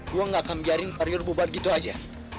gue gak akan biarin parior bubar gitu aja